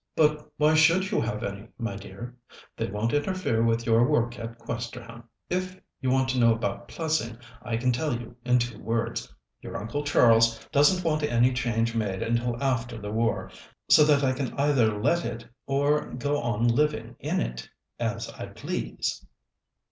"But why should you have any, my dear? They won't interfere with your work at Questerham. If you want to know about Plessing, I can tell you in two words. Your Uncle Charles doesn't want any change made until after the war, so that I can either let it or go on living in it, as I please."